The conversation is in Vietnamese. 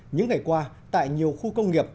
những ngày qua tại nhiều khu công nghiệp